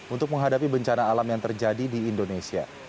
untuk menghadapi bencana alam yang terjadi di indonesia